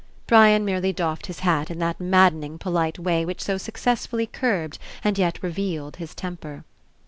Brian merely doffed his hat In that mad dening polite way which so successfully curbed and yet revealed his temper.